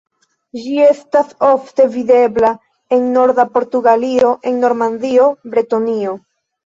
Ĝi estas ofte videbla en norda Portugalio, en Normandio, Bretonio.